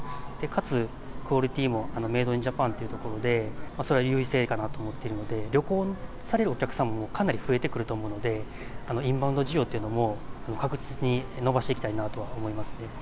かつクオリティーも、メード・イン・ジャパンというところで、それは優位性かなと思っているので、旅行されるお客さんもかなり増えてくると思うので、インバウンド需要っていうのも、確実に伸ばしていきたいなとは思いますね。